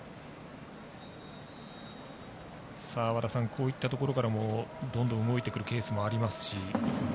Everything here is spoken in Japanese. こういったところからもどんどん動いてくるケースもありますし